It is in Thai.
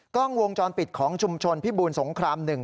กล้องวงจรปิดของชุมชนพิบูลสงคราม๑